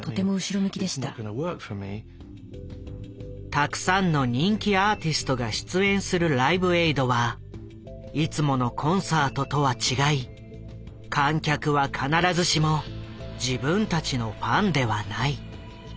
たくさんの人気アーティストが出演する「ライブエイド」はいつものコンサートとは違い観客は必ずしも自分たちのファンではない。